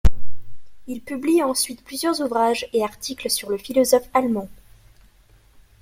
Il publie ensuite plusieurs ouvrages et articles sur le philosophe allemand.